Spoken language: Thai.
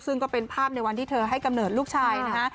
ซึ่งก็เป็นภาพในวันที่เธอให้กำเนิดลูกชายนะฮะ